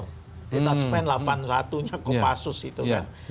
kita spend delapan puluh satu nya kopassus itu kan